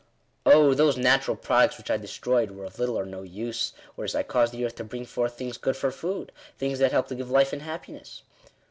" Oh, those natural products which I destroyed were of little or no use; whereas I caused the earth to bring forth things good for food — things that help to give life and happiness."